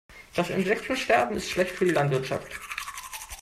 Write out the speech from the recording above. Das Insektensterben ist schlecht für die Landwirtschaft.